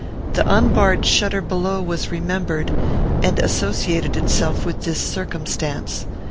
The unbarred shutter below was remembered, and associated itself with this circumstance.